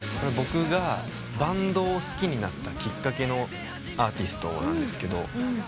僕がバンドを好きになったきっかけのアーティストなんですけど。